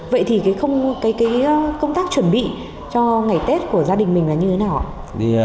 vậy thì cái công tác chuẩn bị cho ngày tết của gia đình mình là như thế nào ạ